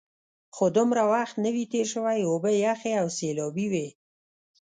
خو دومره وخت نه وي تېر شوی، اوبه یخې او سیلابي وې.